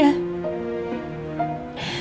aku mau panggil al